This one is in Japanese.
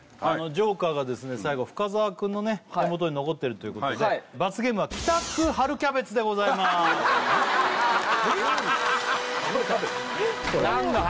ＪＯＫＥＲが最後深澤くんの手元に残ってるということで罰ゲームは何の話？